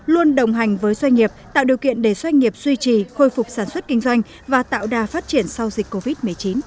luôn đồng hành với doanh nghiệp tạo điều kiện để doanh nghiệp duy trì khôi phục sản xuất kinh doanh và tạo đà phát triển sau dịch covid một mươi chín